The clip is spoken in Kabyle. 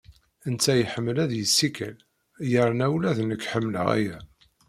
Netta iḥemmel ad yessikel, yerna ula d nekk ḥemmleɣ aya.